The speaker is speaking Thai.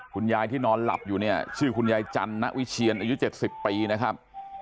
คุณยายที่นอนหลับอยู่เนี่ยชื่อคุณยายจันณวิเชียนอายุ๗๐ปีนะครับ